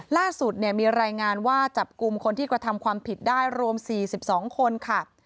ล่าสุดมีรายงานว่าจับกลุ่มคนที่กระทำความผิดได้รวม๔๒คนค่ะ